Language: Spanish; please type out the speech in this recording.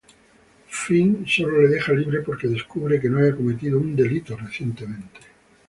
Finn sólo le deja libre porque descubre que no había cometido un delito recientemente.